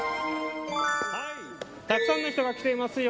たくさんの人が来ていますよ。